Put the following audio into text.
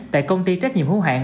tại công ty trách nhiệm hữu hạng